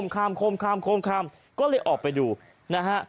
โคมคามก็เลยออกไปดูนะฮะ